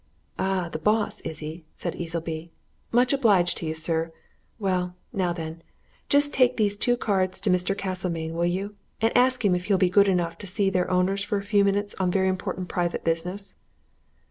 "Ah, the boss, is he?" said Easleby. "Much obliged to you, sir. Well, now, then, just take these two cards to Mr. Castlemayne, will you, and ask him if he'll be good enough to see their owners for a few minutes on very important private business?"